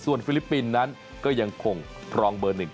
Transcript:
ส่วนฟิลิปปินนันก็ยังคงหลองเบอร์หนึ่ง